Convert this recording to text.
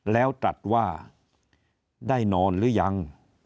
แล้วตัดว่าได้นอนหรือยัง